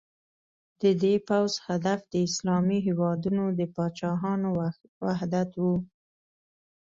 د دې پوځ هدف د اسلامي هېوادونو د پاچاهانو وحدت و.